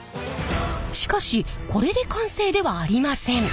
しかしこれで完成ではありません。